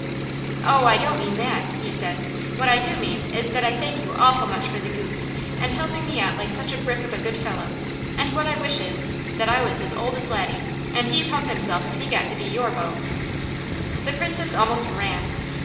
"Oh I don't mean that!" he said. "What I do mean is that I thank you awful much for the goose, and helping me out like such a brick of a good fellow, and what I wish is, that I was as old as Laddie, and he'd hump himself if he got to be your beau." The Princess almost ran.